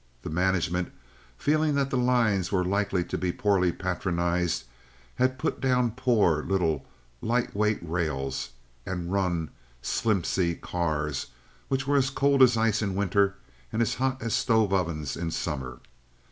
The management, feeling that the lines were likely to be poorly patronized, had put down poor, little, light weight rails, and run slimpsy cars which were as cold as ice in winter and as hot as stove ovens in summer.